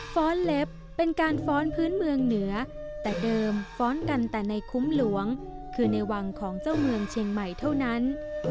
้อนเล็บเป็นการฟ้อนพื้นเมืองเหนือแต่เดิมฟ้อนกันแต่ในคุ้มหลวงคือในวังของเจ้าเมืองเชียงใหม่เท่านั้น